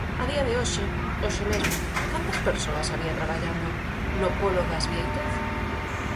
A día de hoxe, hoxe mesmo, ¿cantas persoas había traballando no polo das Biéitez?